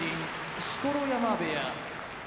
錣山部屋